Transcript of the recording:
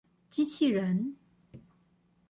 機器人